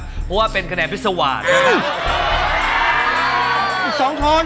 เพราะว่าเป็นคะแนนพิษวาส